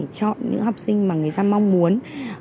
chọn những học sinh mà người ta mong muốn